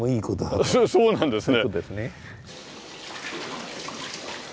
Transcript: そうなんですね。